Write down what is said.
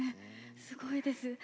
すごいです。